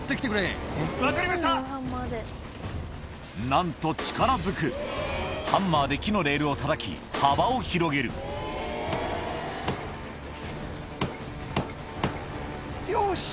なんと力ずくハンマーで木のレールをたたき幅を広げるどうだ？